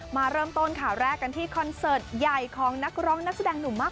มาเริ่มต้นข่าวแรกกันที่คอนเสิร์ตใหญ่ของนักร้องนักแสดงหนุ่มมาก